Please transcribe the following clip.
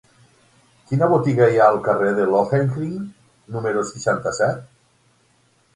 Quina botiga hi ha al carrer de Lohengrin número seixanta-set?